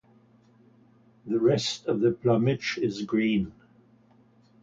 The rest of the plumage is green.